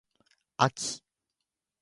あき